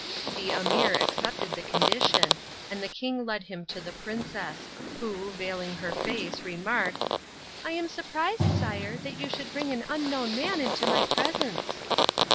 The emir accepted the condition, and the king led him to the princess, who, veiling her face, remarked, "I am surprised, sire, that you should bring an unknown man into my presence."